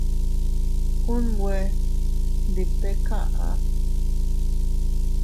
Unwe ndi bte kaʼa.